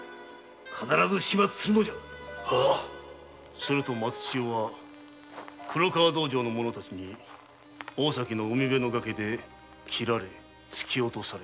必ず始末するのじゃとすると松千代は黒川道場の者たちに大崎の海辺の崖で切られて突き落とされた。